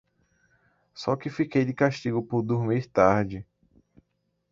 Só sei que fiquei de castigo por dormir tarde.